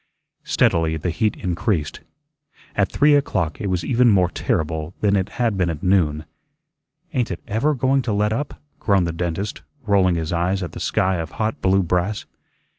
Steadily the heat increased. At three o'clock it was even more terrible than it had been at noon. "Ain't it EVER going to let up?" groaned the dentist, rolling his eyes at the sky of hot blue brass.